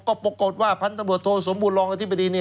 ก็ปรากฏว่าพันธบทโทสมบูรณรองอธิบดี